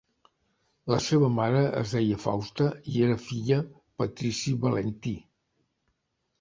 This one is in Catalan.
La seva mare es deia Fausta i era filla patrici Valentí.